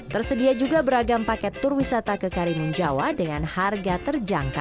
tersedia juga beragam paket tur wisata ke karimun jawa dengan harga terjangkau